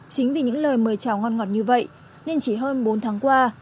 chính vì những lời mời chào ngon ngọt như vậy nên chỉ hơn bốn tháng qua